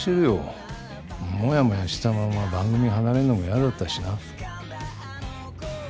モヤモヤしたまま番組離れるのも嫌だったしな。